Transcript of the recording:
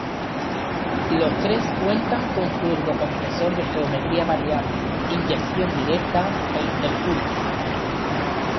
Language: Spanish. Los tres cuentan con turbocompresor de geometría variable, inyección directa e intercooler.